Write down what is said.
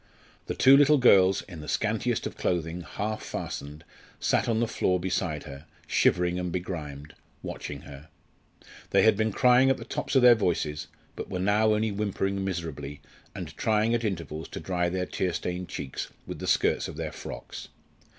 The two little girls in the scantiest of clothing, half fastened, sat on the floor beside her, shivering and begrimed watching her. They had been crying at the tops of their voices, but were now only whimpering miserably, and trying at intervals to dry their tear stained cheeks with the skirts of their frocks.